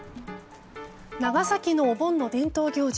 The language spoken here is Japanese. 長崎のお盆の伝統行事